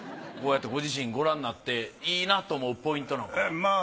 こうやってご自身ご覧になっていいなと思うポイントなんかは？